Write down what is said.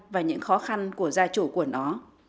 và những khó khăn của gia chủ của nó